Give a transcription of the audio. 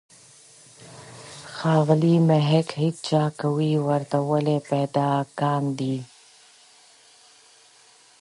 ښاغلی محق هڅه کوي ورته والی پیدا کاندي.